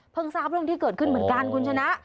ทราบเรื่องที่เกิดขึ้นเหมือนกันคุณชนะ